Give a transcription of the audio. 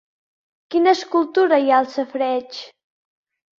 Quina escultura hi ha al safareig?